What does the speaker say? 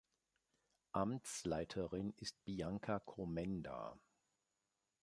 Amtsleiterin ist Bianca Komenda.